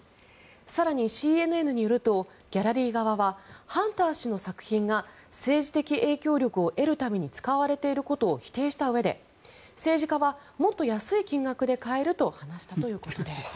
更に、ＣＮＮによるとギャラリー側はハンター氏の作品が政治的影響力を得るために使われていることを否定したうえで政治家はもっと安い金額で買えると話したということです。